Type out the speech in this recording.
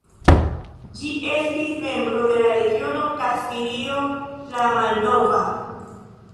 Ĝi estis membro de la regiono Kastilio la Malnova.